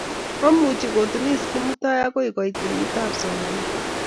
Momoche kotunis Kimutai akoi koit kenyit ab sosomiat